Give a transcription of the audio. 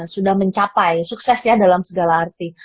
sudah mencapai sukses ya dalam segala arti